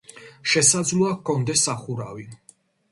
შესაძლოა, ჰქონდეს სახურავი.